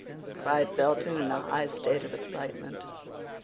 cried Felton, in a high state of excitement.